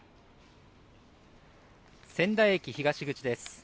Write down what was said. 仙台駅東口です。